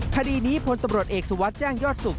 คดีนี้พลตำรวจเอกสุวัสดิ์แจ้งยอดสุข